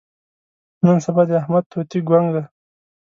نن سبا د احمد توتي ګونګ دی.